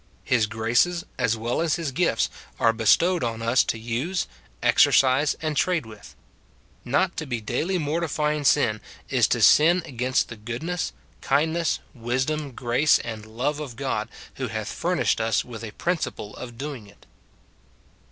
His graces, as well as his gifts, are bestowed on us to use, exercise, and trade with. Not to be daily mortifying sin, is to sin against the goodness, kindness, wisdom, grace, and love of God, who hath furnished us with a principle of doing it.